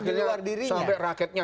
sesuatu di luar dirinya sampai raketnya